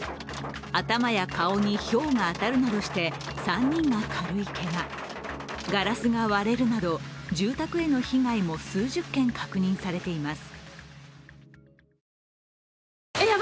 頭や顔にひょうが当たるなどして３人が軽いけが、ガラスが割れるなど住宅への被害も数十軒確認されています。